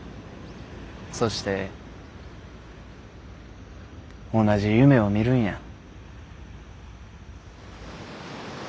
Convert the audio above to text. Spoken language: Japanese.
そして同じ夢を見るんや。